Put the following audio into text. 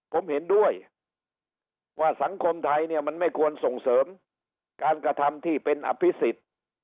ผมเห็นด้วยว่าสังคมไทยเนี่ยมันไม่ควรส่งเสริมการกระทำที่เป็นอภิษฎ